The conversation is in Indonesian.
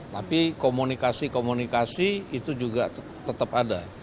tapi komunikasi komunikasi itu juga tetap ada